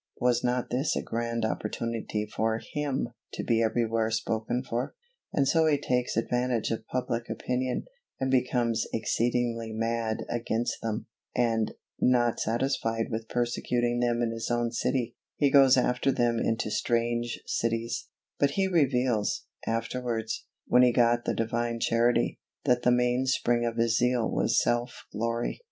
Was not this a grand opportunity for him to be everywhere spoken for? and so he takes advantage of public opinion, and becomes "exceedingly mad" against them; and, not satisfied with persecuting them in his own city, he goes after them into strange cities, but he reveals, afterwards, when he got the Divine Charity, that the mainspring of his zeal was SELF GLORY.